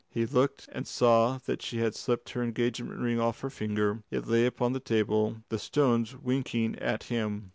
He looked and saw that she had slipped her engagement ring off her finger. It lay upon the table, the stones winking at him.